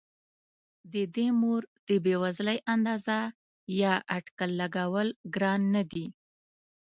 د دې مور د بې وزلۍ اندازه یا اټکل لګول ګران نه دي.